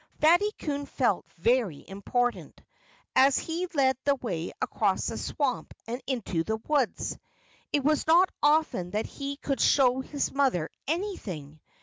Fatty Coon felt very important, as he led the way across the swamp and into the woods. It was not often that he could show his mother anything.